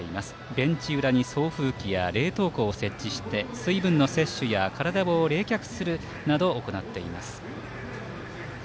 ベンチ裏に送風機や冷凍庫を設置して水分の摂取や体を冷却するなどを行っています。